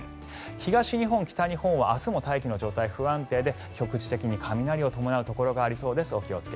東日本、北日本は明日も大気の状態が不安定で局地的に雷を伴うところがありそうです。